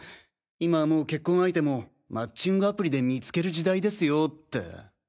今はもう結婚相手もマッチングアプリで見つける時代ですよって。